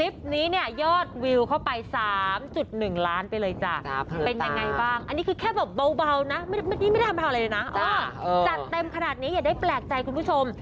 จัดเต็มขนาดนี้อย่าได้แปลกใจคุณผู้ชม